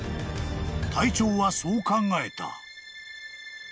［隊長はそう考えた］